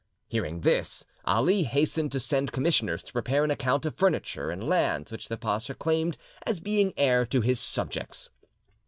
Hearing this, Ali hastened to send commissioners to prepare an account of furniture and lands which the pacha claimed as being heir to his subjects.